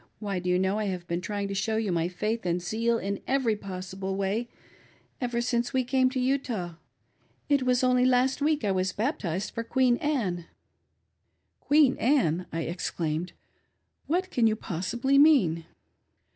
Why, do you, know, I have been trjdng to show |ny ffiith j^iid zeal in every possible way ever since we came to Utah. It was only last wee^ I was baptized for Queen Anne." "Queen Anne!" I exclaiiped. "What can you possibly mean